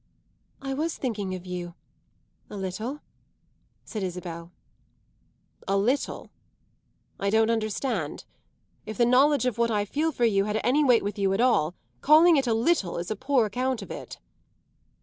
"I was thinking of you a little," said Isabel. "A little? I don't understand. If the knowledge of what I feel for you had any weight with you at all, calling it a 'little' is a poor account of it."